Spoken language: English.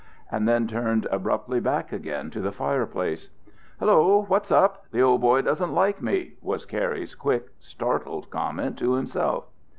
and then turned abruptly back again to the fireplace. "Hello! What's up! The old boy doesn't like me!" was Cary's quick, startled comment to himself.